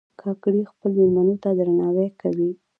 کاکړي خپلو مېلمنو ته درناوی کوي.